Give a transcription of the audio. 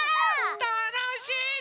たのしいね！